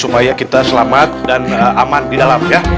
supaya kita selamat dan aman di dalam ya